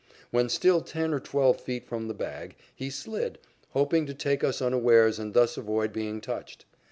When still ten or twelve feet from the bag, he slid, hoping to take us unawares and thus avoid being touched.